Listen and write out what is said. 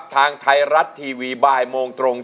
ทางไทยรัฐทีวีบ่ายโมงตรง